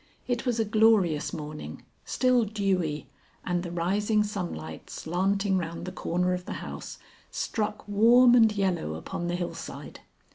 It was a glorious morning, still dewy, and the rising sunlight slanting round the corner of the house, struck warm and yellow upon the hillside.